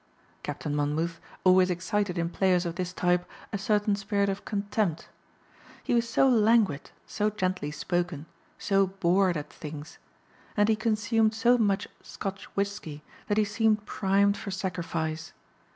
Captain Monmouth always excited in players of this type a certain spirit of contempt. He was so languid, so gently spoken, so bored at things. And he consumed so much Scotch whiskey that he seemed primed for sacrifice.